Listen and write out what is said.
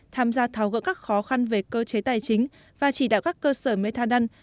tham gia tháo gỡ các khó khăn về cơ chế tài chính và chỉ đạo các cơ sở methadon